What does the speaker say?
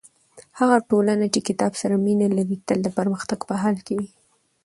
هغه ټولنه چې کتاب سره مینه لري تل د پرمختګ په حال کې وي.